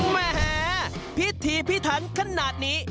แหมพิธีพิถันขนาดนี้